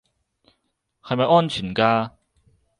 係咪安全㗎